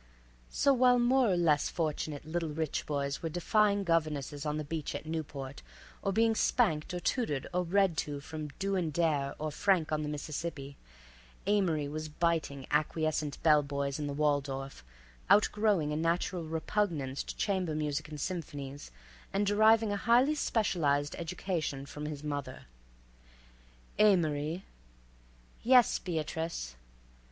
So, while more or less fortunate little rich boys were defying governesses on the beach at Newport, or being spanked or tutored or read to from "Do and Dare," or "Frank on the Mississippi," Amory was biting acquiescent bell boys in the Waldorf, outgrowing a natural repugnance to chamber music and symphonies, and deriving a highly specialized education from his mother. "Amory." "Yes, Beatrice."